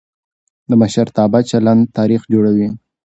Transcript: د مشرتابه چلند تاریخ جوړوي